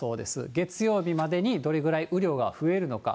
月曜日までにどれぐらい雨量が増えるのか。